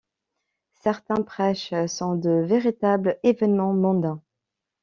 Certains prêches sont de véritables événements mondains.